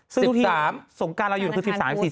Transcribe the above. ซึ่งทุกทีสงการเราหยุดคือ๑๓๔๕